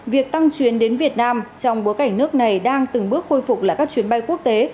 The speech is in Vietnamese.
việc tăng chuyến đến việt nam trong bối cảnh nước này đang từng bước khôi phục lại các chuyến bay quốc tế